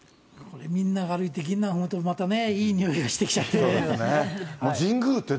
これ、みんなが歩いてぎんなん踏むといいにおいがしてきちゃって。